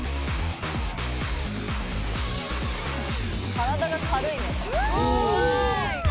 「体が軽いね」